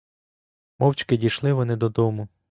Мовчки дійшли вони додому.